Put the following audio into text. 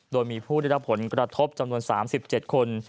โดยมีผู้ได้รับผลกระทบจำนวน๓๗คน